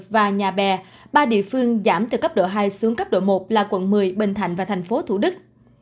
và nhà bè ba địa phương giảm từ cấp độ hai xuống cấp độ một là quận một mươi bình thạnh và thành phố thủ đức